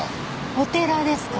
お寺ですか？